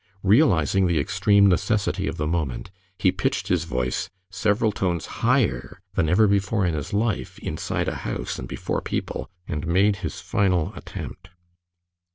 Realizing the extreme necessity of the moment, he pitched his voice several tones higher than ever before in his life inside a house and before people, and made his final attempt.